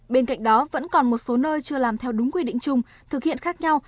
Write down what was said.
bên cạnh đó vẫn còn một số nơi chưa làm theo đúng quy định chung thực hiện khác nhau